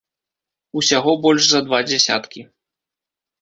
Усяго больш за два дзясяткі.